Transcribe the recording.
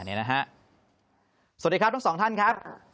สวัสดีครับทั้งสองท่านครับ